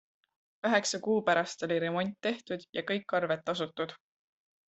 Üheksa kuu pärast oli remont tehtud ja kõik arved tasutud.